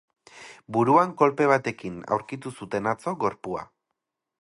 Buruan kolpe batekin aurkitu zuten atzo gorpua.